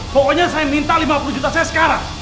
pokoknya saya minta lima puluh juta saya sekarang